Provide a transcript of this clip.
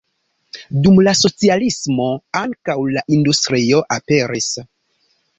Dum la socialismo ankaŭ la industrio aperis.